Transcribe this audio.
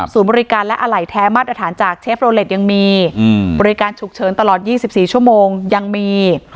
บริการและอะไหล่แท้มาตรฐานจากเชฟโลเล็ตยังมีบริการฉุกเฉินตลอด๒๔ชั่วโมงยังมี